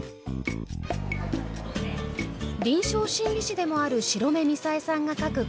臨床心理士でもある白目みさえさんが描く